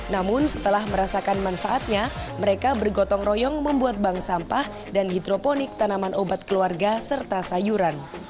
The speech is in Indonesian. namun setelah merasakan manfaatnya mereka bergotong royong membuat bank sampah dan hidroponik tanaman obat keluarga serta sayuran